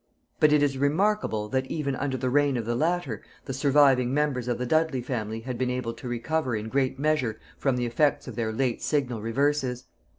But it is remarkable, that even under the reign of the latter, the surviving members of the Dudley family had been able to recover in great measure from the effects of their late signal reverses.